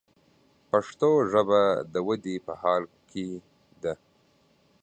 پښتو ژبه د ودې په حال کښې ده.